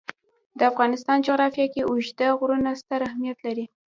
د افغانستان جغرافیه کې اوږده غرونه ستر اهمیت لري.